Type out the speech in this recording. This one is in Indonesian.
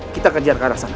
kita kejar ke arah sana